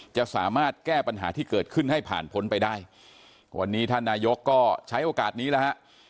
จะสามารถแก้ปัญหาที่เกิดขึ้นให้ผ่านพ้นไปได้วันนี้ท่านนายกก็ใช้โอกาสนี้แล้วฮะ